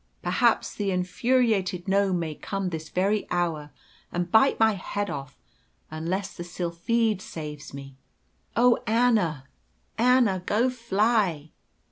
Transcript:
Perhaps the infuriated gnome may come this very hour and bite my head off unless the sylphide saves me. Oh, Anna, Anna, go fly!"